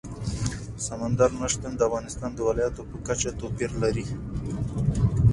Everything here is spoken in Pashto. سمندر نه شتون د افغانستان د ولایاتو په کچه توپیر لري.